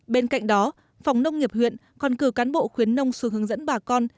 bên cạnh đó phòng nông nghiệp huyện còn cử cán bộ khuyến nông xuống hướng dẫn bà con